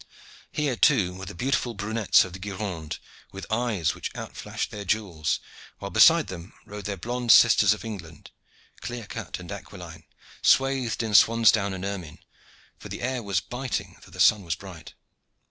Here too were the beautiful brunettes of the Gironde, with eyes which out flashed their jewels, while beside them rode their blonde sisters of England, clear cut and aquiline, swathed in swans' down and in ermine, for the air was biting though the sun was bright.